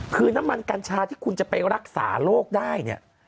คือน้ำมันกัญชาที่คุณจะไปรักษาโรคได้เนี่ย